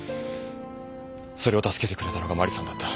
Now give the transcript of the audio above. それを助けてくれたのがマリさんだった。